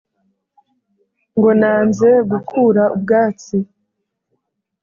ngo nanze gukura ubwatsi